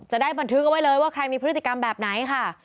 จะได้บันทึกเอาไว้เลยว่าใครมีพฤติกรรมแบบไหนค่ะ